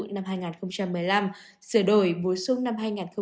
năm hai nghìn một mươi năm sửa đổi bối xuống năm hai nghìn một mươi bảy